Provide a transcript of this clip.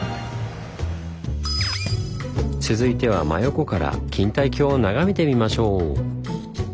続いては真横から錦帯橋を眺めてみましょう！